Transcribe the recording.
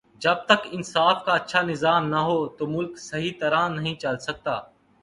جب تک انصاف کا اچھا نظام نہ ہو تو ملک صحیح طرح نہیں چل سکتا